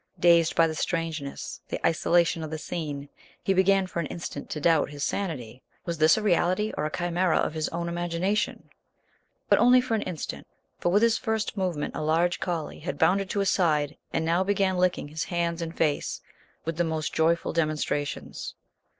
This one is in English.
Dazed by the strangeness, the isolation of the scene, he began for an instant to doubt his sanity; was this a reality or a chimera of his own imagination? But only for an instant, for with his first movement a large collie had bounded to his side and now began licking his hands and face with the most joyful demonstrations.